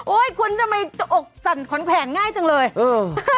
คุณทำไมจะอกสั่นขวัญแขวนง่ายจังเลยเออ